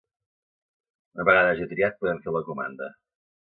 Una vegada hagi triat podem fer la comanda.